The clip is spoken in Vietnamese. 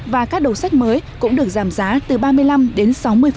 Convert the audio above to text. và các đầu sách mới cũng được giảm giá từ ba mươi năm đến sáu mươi